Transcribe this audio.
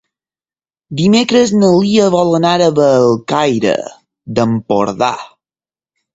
Dimecres na Lia vol anar a Bellcaire d'Empordà.